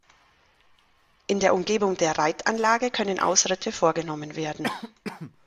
In der Umgebung der Reitanlage können Ausritte vorgenommen werden.